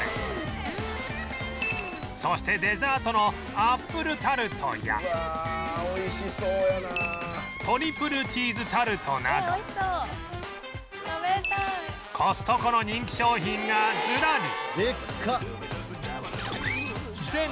そしてデザートのアップルタルトやトリプルチーズタルトなどコストコの人気商品がずらり